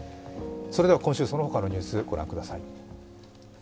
今週その他のニュース、ご覧ください。